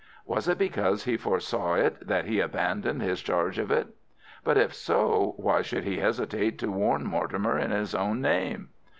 Was it because he foresaw it that he abandoned his charge of it? But if so, why should he hesitate to warn Mortimer in his own name?